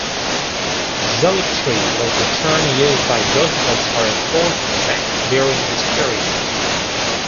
Zealotry was the term used by Josephus for a "fourth sect" during this period.